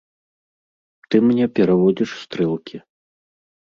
Ты мне пераводзіш стрэлкі.